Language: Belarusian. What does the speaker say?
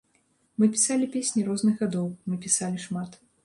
Мы пісалі песні розных гадоў, мы пісалі шмат.